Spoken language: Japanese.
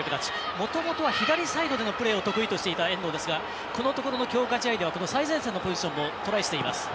もともとは左サイドでのプレーを得意としていた遠藤ですがこのところの強化試合では最前線のポジションもトライしています。